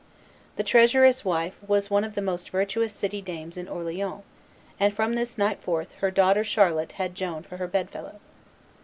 The treasurer's wife was one of the most virtuous city dames in Orleans, and from this night forth her daughter Charlotte had Joan for her bedfellow.